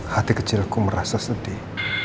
hati kecilku merasa sedih